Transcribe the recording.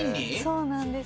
そうなんです。